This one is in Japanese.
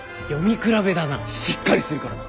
しっかりするからな！